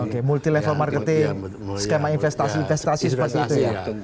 oke multi level marketing skema investasi investasi seperti itu ya